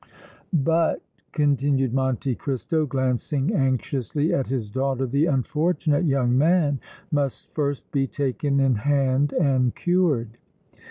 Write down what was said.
"But," continued Monte Cristo, glancing anxiously at his daughter, "the unfortunate young man must first be taken in hand and cured!"